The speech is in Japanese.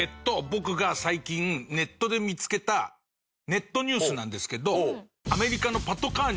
僕が最近ネットで見付けたネットニュースなんですけど。